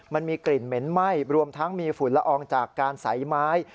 มันมีกลิ่นเหม็นไหม้รวมทั้งมีฝุ่นละอองจากการใสไม้